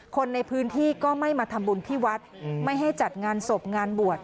คนในพื้นที่ก็ไม่มาทำบุญที่วัดไม่ให้จัดงานศพงานบวช